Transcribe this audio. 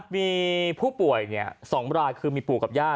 มีผู้ป่วย๒รายคือมีปู่กับย่า